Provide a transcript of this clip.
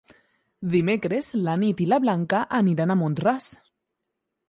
Dimecres na Nit i na Blanca aniran a Mont-ras.